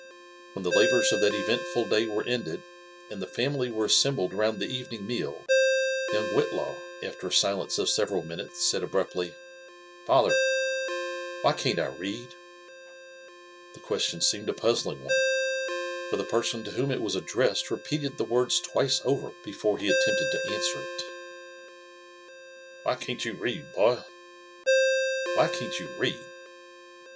When the labours of th^t eventful day were ended, an^ the family were assembled round the evening meal, young Whitlaw, after a silence of several minutes, said abruptly, *' Father ! T*why ^n't 1 read?" The question seemed a puzzling one ; for the periKin to whom it was addressed repeated the words twice over before he attempted tp answer it. "Why can't you read, boy? — why cun't you read